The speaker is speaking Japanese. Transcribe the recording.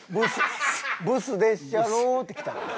「ブスでっしゃろ」って来た。